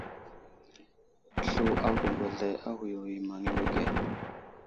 Slu agwagwazlay a ghuyo i maŋ yo age.